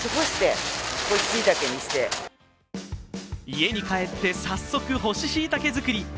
家に帰って早速干ししいたけ作り。